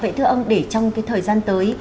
vậy thưa ông để trong cái thời gian tới